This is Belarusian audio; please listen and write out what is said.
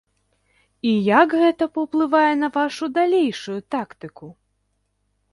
І як гэта паўплывае на вашу далейшую тактыку?